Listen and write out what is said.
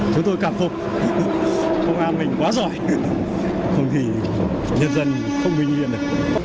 chúng tôi cảm phục công an mình quá giỏi không thì nhân dân không bình yên được